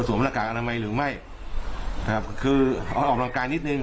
ควรสวมรักการอนามัยหรือไม่ครับคือเอาออกกำลังกายนิดหนึ่ง